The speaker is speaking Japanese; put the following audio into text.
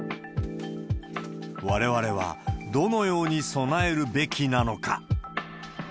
われわれは、どのように備えるべきなのか。